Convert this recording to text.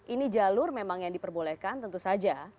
ini jalur memang yang diperbolehkan tentu saja